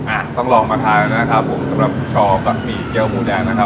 อ่ะต้องลองมาทานนะครับผมสำหรับช่อบะหมี่เกี้ยวหมูแดงนะครับ